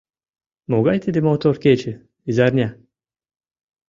Могай тиде мотор кече — изарня!